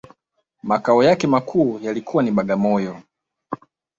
Makao yake makuu yalikuwa ni Bagamoyo